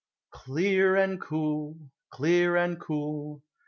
Clear and cool, clear and cool.